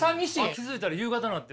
気付いたら夕方なってる。